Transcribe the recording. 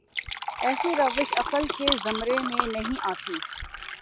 ایسی روش عقل کے زمرے میں نہیںآتی۔